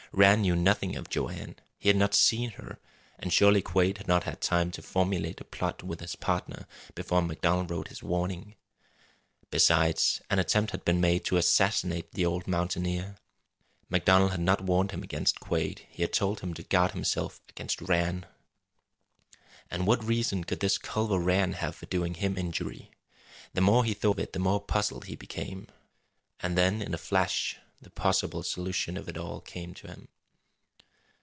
Rann knew nothing of Joanne. He had not seen her. And surely Quade had not had time to formulate a plot with his partner before MacDonald wrote his warning. Besides, an attempt had been made to assassinate the old mountaineer! MacDonald had not warned him against Quade. He had told him to guard himself against Rann. And what reason could this Culver Rann have for doing him injury? The more he thought of it the more puzzled he became. And then, in a flash, the possible solution of it all came to him.